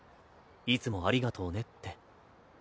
いつもありがとうねって。